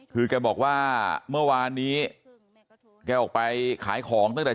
คือแกบอกว่าเมื่อวานนี้แกออกไปขายของตั้งแต่